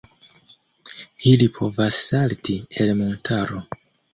Ili povas salti el montaro.